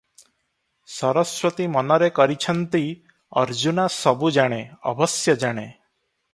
ସରସ୍ୱତୀ ମନରେ କରିଛନ୍ତି, ଅର୍ଜୁନା ସବୁ ଜାଣେ, ଅବଶ୍ୟ ଜାଣେ ।